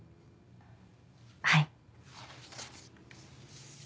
はい。